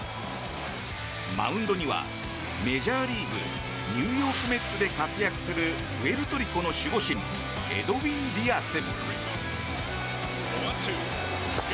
マウンドには、メジャーリーグニューヨーク・メッツで活躍するプエルトリコの守護神エドウィン・ディアス。